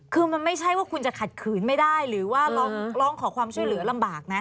คือมันไม่ใช่ว่าคุณจะขัดขืนไม่ได้หรือว่าร้องขอความช่วยเหลือลำบากนะ